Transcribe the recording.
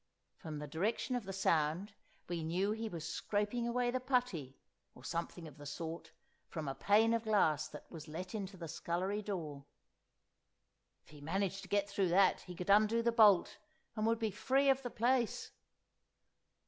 From the direction of the sound we knew he was scraping away the putty, or something of the sort, from a pane of glass that was let into the scullery door. If he managed to get through that, he could undo the bolt, and would be free of the place.